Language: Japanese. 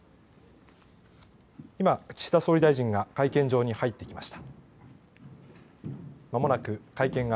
今、岸田総理大臣が会見場に入ってきました。